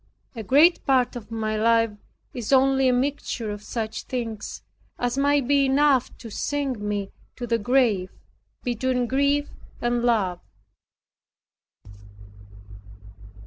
A great part of my life is only a mixture of such things as might be enough to sink me to the grave between grief and love.